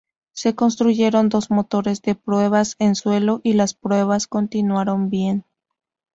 Se construyeron dos motores de pruebas en suelo y las pruebas continuaron bien.